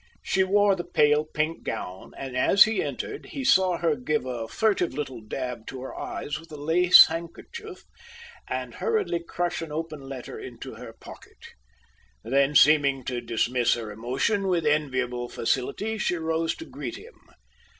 She wore the pale pink gown; and as he entered he saw her give a furtive little dab to her eyes with a lace handkerchief, and hurriedly crush an open letter into her pocket. Then, seeming to dismiss her emotion with enviable facility, she rose to greet him.